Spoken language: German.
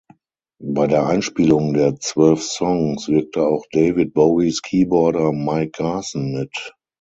Bei der Einspielung der zwölf Songs wirkte auch David Bowies Keyboarder Mike Garson mit.